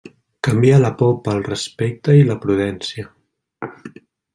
Canvia la por pel respecte i la prudència.